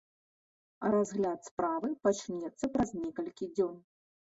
Разгляд справы пачнецца праз некалькі дзён.